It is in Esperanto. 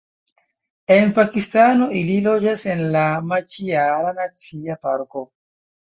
En Pakistano ili loĝas en la Maĉiara Nacia Parko.